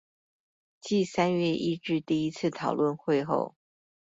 繼三月一日第一次討論會後